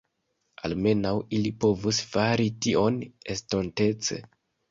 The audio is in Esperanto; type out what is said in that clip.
Almenaŭ ili povus fari tion estontece.